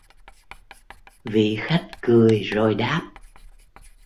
Vị Khách cười rồi đáp